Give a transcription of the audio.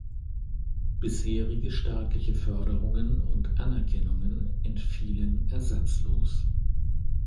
Bisherige staatliche Förderungen und Anerkennungen entfielen ersatzlos.